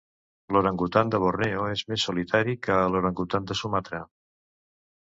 L'orangutan de Borneo és més solitari que l'orangutan de Sumatra.